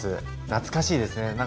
懐かしいですね。